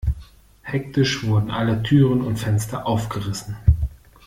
Hektisch wurden alle Türen und Fenster aufgerissen.